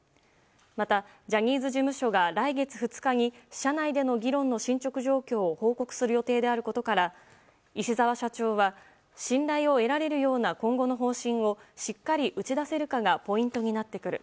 また、ジャニーズ事務所が来月２日に社内での議論の進捗状況を報告する予定であることから石澤社長は信頼を得られるような今後の方針をしっかり打ち出せるかがポイントになってくる。